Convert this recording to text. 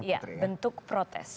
iya bentuk protes